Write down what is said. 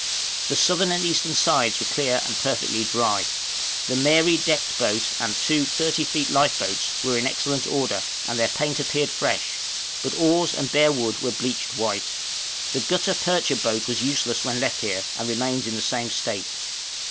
The southern and eastern sides were clear and perfectly dry. The 'Mary' decked boat, and two 30 feet lifeboats, were in excellent order, and their paint appeared fresh, but oars and bare wood were bleached white. The gutta percha boat was useless when left here, and remains in the same state.